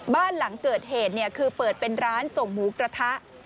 บ้านหลังเกิดเหตุคือเปิดเป็นร้านส่งหมูกระทะ